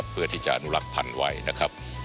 เพื่อที่จะอนุรักษ์พันธุ์ไว้นะครับ